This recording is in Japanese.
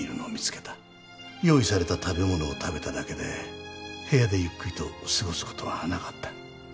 用意された食べ物を食べただけで部屋でゆっくりと過ごすことはなかった。